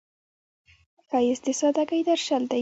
ښایست د سادګۍ درشل دی